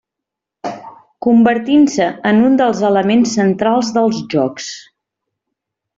Convertint-se en un dels elements centrals dels Jocs.